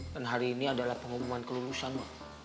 dan hari ini adalah pengumuman kelusan mak